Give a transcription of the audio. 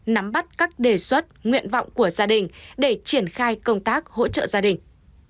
nắm bắt các đề xuất nguyện vọng của gia đình để triển khai công tác hỗ trợ gia đình